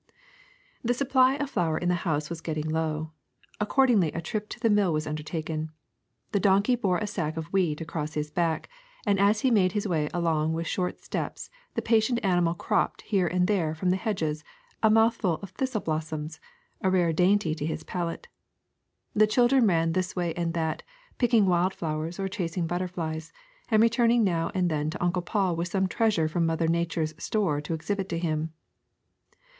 THE supply of flour in the house was getting low. Accordingly a trip to the mill was undertaken. The donkey bore a sack of wheat across his back, and as he made his way along with short steps the pa tient animal cropped here and there from the hedges a mouthful of thistle blossoms, a rare dainty to his palate. The children ran this way and that, picking wild flowers or chasing butterflies, and returning now and then to Uncle Paul with some treasure from Mother Nature ^s store to exhibit to him.